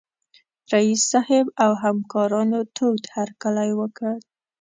رييس صاحب او همکارانو تود هرکلی وکړ.